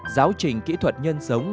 giáo trình kỹ thuật nhân sống